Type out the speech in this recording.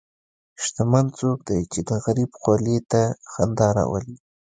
شتمن څوک دی چې د غریب خولې ته خندا راولي.